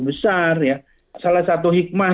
besar salah satu hikmah